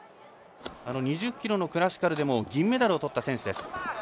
２０ｋｍのクラシカルでも銀メダルをとった選手です。